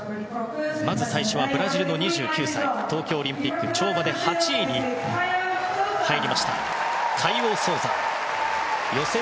まず最初はブラジルの２９歳東京オリンピック跳馬で８位に入りましたカイオ・ソウザです。